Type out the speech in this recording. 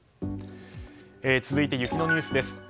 続いて、雪のニュースです。